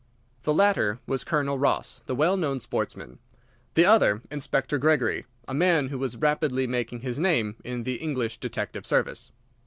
The latter was Colonel Ross, the well known sportsman; the other, Inspector Gregory, a man who was rapidly making his name in the English detective service.